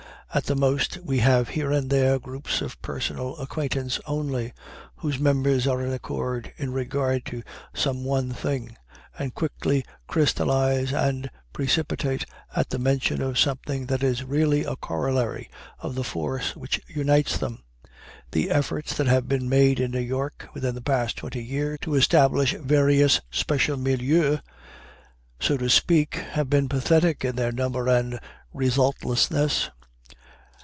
At the most we have here and there groups of personal acquaintance only, whose members are in accord in regard to some one thing, and quickly crystallize and precipitate at the mention of something that is really a corollary of the force which unites them. The efforts that have been made in New York, within the past twenty years, to establish various special milieus, so to speak, have been pathetic in their number and resultlessness.